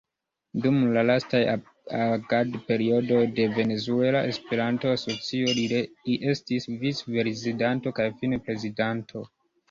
Dum la lastaj agad-periodoj de Venezuela Esperanto-Asocio li estis vicprezidanto kaj fine Prezidanto.